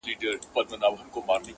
o چي غول خورې د پلو خوره دا خوره!